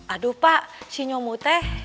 aduh pak si nyomu tuh